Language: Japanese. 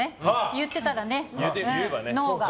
言ってたらね、脳が。